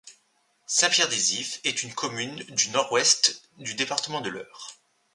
Saint-Pierre-des-Ifs est une commune du Nord-Ouest du département de l'Eure.